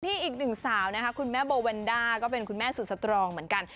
อีกหนึ่งสาวนะคะคุณแม่โบแวนด้าก็เป็นคุณแม่สุดสตรองเหมือนกัน